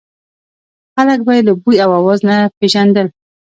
خلک به یې له بوی او اواز نه پېژندل.